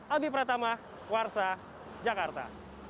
albi pratama warsa jakarta